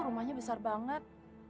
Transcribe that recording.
rumahnya besar banget